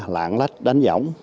lãng lách đánh giỏng